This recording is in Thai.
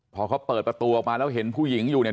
พอเขาเปิดประตูออกมาแล้วเห็นผู้หญิงอยู่เนี่ย